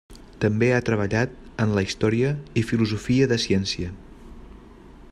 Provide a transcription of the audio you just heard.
També ha treballat en la història i filosofia de ciència.